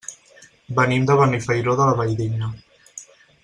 Venim de Benifairó de la Valldigna.